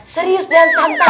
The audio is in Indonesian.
serius dan santai